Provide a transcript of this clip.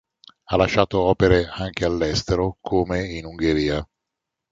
Ha lasciato opere anche all'estero, come in Ungheria.